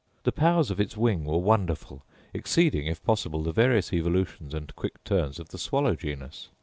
The powers of its wing were wonderful, exceeding, if possible, the various evolutions and quick turns of the swallow genus.